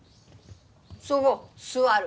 そご座る。